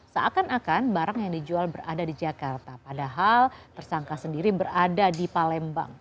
seakan akan barang yang dijual berada di jakarta padahal tersangka sendiri berada di palembang